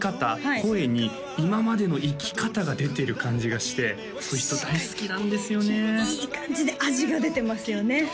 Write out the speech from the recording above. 声に今までの生き方が出てる感じがしてそういう人大好きなんですよねいい感じで味が出てますよね